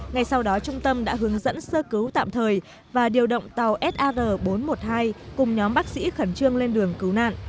ngay sau đó trung tâm đã hướng dẫn sơ cứu tạm thời và điều động tàu sr bốn trăm một mươi hai cùng nhóm bác sĩ khẩn trương lên đường cứu nạn